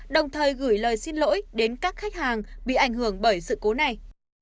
đồng thời gửi lời xin lỗi đến các khách hàng bị ảnh hưởng bởi sự cố này